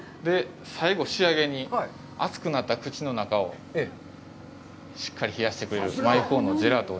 最後、仕上げに、熱くなった口の中をしっかり冷やしてくれる舞コーンのジェラート。